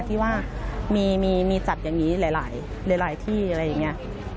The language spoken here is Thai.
ที่ว่ามีจัดอย่างนี้หลายที่อะไรอย่างนี้